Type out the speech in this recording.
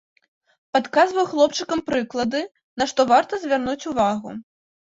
Падказваю хлопчыкам прыклады, на што варта звярнуць увагу.